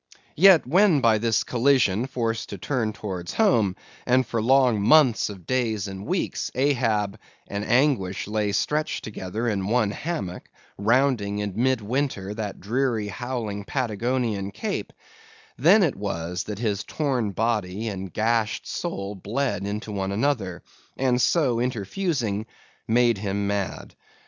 Yet, when by this collision forced to turn towards home, and for long months of days and weeks, Ahab and anguish lay stretched together in one hammock, rounding in mid winter that dreary, howling Patagonian Cape; then it was, that his torn body and gashed soul bled into one another; and so interfusing, made him mad.